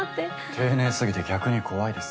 丁寧すぎて逆に怖いです。